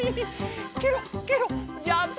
ケロッケロッジャンプ！